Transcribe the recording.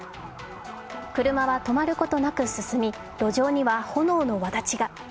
車は止まることなく進み、路上には炎のわだちが。